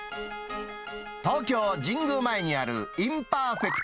東京・神宮前にあるインパーフェクト